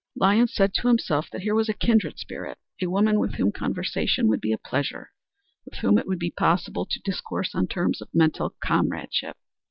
Lyons said to himself that here was a kindred spirit a woman with whom conversation would be a pleasure; with whom it would be possible to discourse on terms of mental comradeship.